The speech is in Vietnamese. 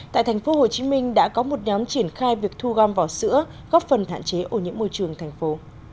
tại tp hcm đã có một nhóm triển khai việc thu gom vỏ sữa góp phần hạn chế ổ nhiễm môi trường thành phố